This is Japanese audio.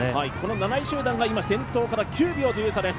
７位集団が今先頭から９秒という差です。